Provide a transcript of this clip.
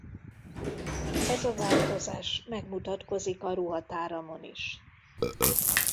Ez a változás megmutatkozik a ruhatáramon is.